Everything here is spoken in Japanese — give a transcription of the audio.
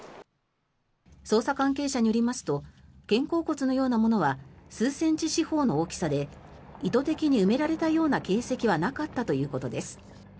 捜査関係者によりますと肩甲骨のようなものは数センチ四方の大きさで意図的に埋められたような形跡はなかったということです。